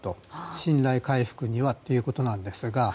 信頼回復にはということですが。